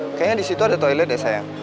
kayaknya disitu ada toilet ya sayang